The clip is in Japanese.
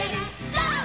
ゴー！」